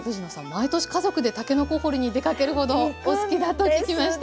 毎年家族でたけのこ堀りに出かけるほどお好きだと聞きましたけど。